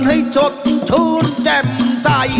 ให้ชดชูนแจบสาย